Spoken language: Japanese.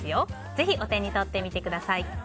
ぜひ、お手に取ってみてください。